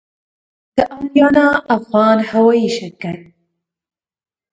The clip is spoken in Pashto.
د آریانا افغان هوايي شرکت